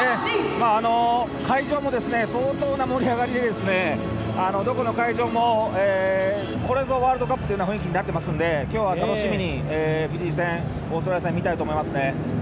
会場も相当な盛り上がりでどこの会場もこれぞ、ワールドカップという雰囲気になっていますので今日は楽しみにフィジー戦、オーストラリア戦見たいと思いますね。